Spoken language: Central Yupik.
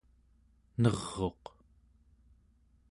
ner'uq